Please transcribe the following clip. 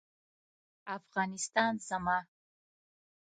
افغانستان زما